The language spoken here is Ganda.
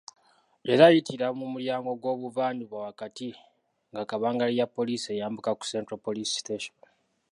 Yali ayitira mu mulyango gw’obuvanjuba wakati nga kabangali ya poliisi eyambuka ku Central Police Station.